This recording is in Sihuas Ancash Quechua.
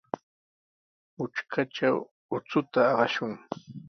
Mutrkatraw uchuta aqashun.